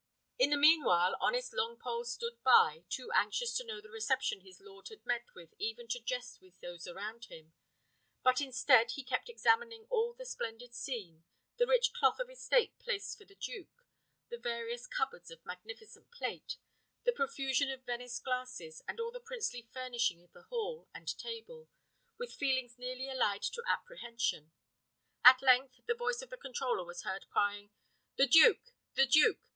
In the mean while honest Longpole stood by, too anxious to know the reception his lord had met with even to jest with those around him; but instead, he kept examining all the splendid scene, the rich cloth of estate placed for the duke, the various cupboards of magnificent plate, the profusion of Venice glasses, and all the princely furnishing of the hall and table, with feelings nearly allied to apprehension. At length the voice of the controller was heard crying "The duke! the duke!